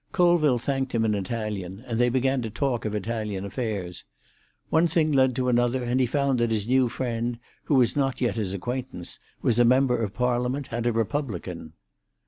Colville thanked him in Italian, and they began to talk of Italian affairs. One thing led to another, and he found that his new friend, who was not yet his acquaintance, was a member of Parliament, and a republican.